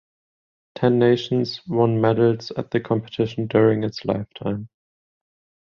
Ten nations won medals at the competition during its lifetime.